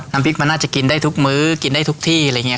น้ำพริกมันน่าจะกินได้ทุกมื้อกินได้ทุกที่